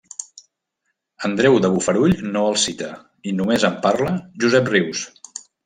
Andreu de Bofarull no el cita, i només en parla Josep Rius.